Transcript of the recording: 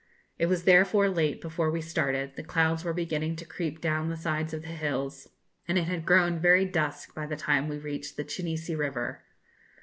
It was therefore late before we started, the clouds were beginning to creep down the sides of the hills, and it had grown very dusk by the time we reached the Chinisi river.